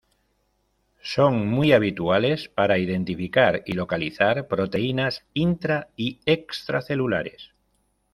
Son muy habituales para identificar y localizar proteínas intra y extracelulares.